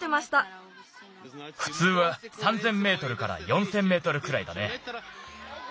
ふつうは３，０００メートルから４，０００メートルくらいだね。